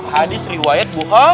hadis riwayat buho